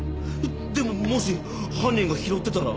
でももし犯人が拾ってたら？